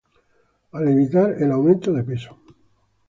Al evitar el aumento de peso